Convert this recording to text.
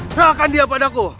serahkan dia padaku